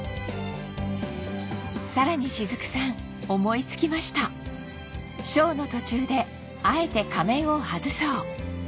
さらに雫さん思い付きました「ショーの途中であえて仮面を外そう」